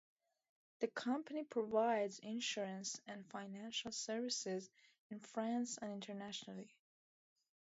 The company provides insurance and financial services in France and internationally.